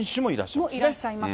も、いらっしゃいます。